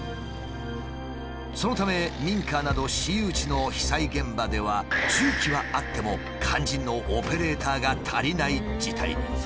そのため民家など私有地の被災現場では重機はあっても肝心のオペレーターが足りない事態に。